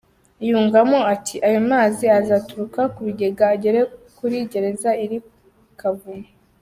Yungamo ati "Ayo mazi azaturuka ku bigega agere kuri gereza iri kavumu.